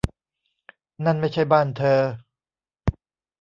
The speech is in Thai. นั่นไม่ใช่บ้านเธอ